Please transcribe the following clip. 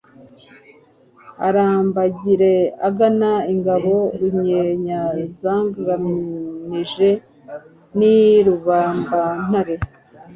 Arambagire agana ingabo RunyinyaZaganije n' i Rubambantare